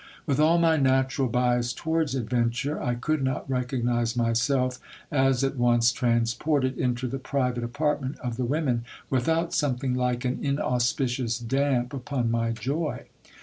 With all my natural bias towards adventure, I could not recognize myself as at once transported into the private apartment of the women, without something like an inauspicious damp upon my joy.